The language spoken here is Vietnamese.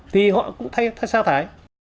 thì họ cũng thay sao thải